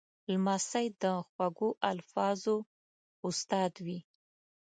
لمسی د خوږو الفاظو استاد وي.